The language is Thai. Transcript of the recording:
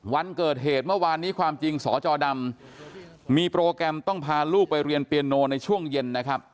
วันเกิดเหตุเมื่อวานนี้ความจริงสจดำมีโปรแกรมต้องพาลูกไปเรียนเปียโนในช่วงเย็นนะครับ